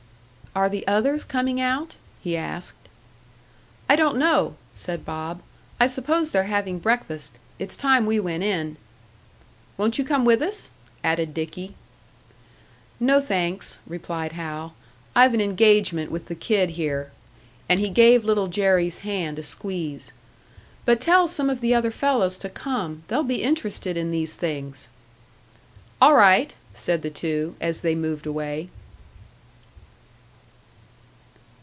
"Are the others coming out?" he asked. "I don't know," said Bob. "I suppose they're having breakfast. It's time we went in." "Won't you come with us?" added Dicky. "No, thanks," replied Hal, "I've an engagement with the kid here." And he gave Little Jerry's hand a squeeze. "But tell some of the other fellows to come. They'll be interested in these things." "All right," said the two, as they moved away.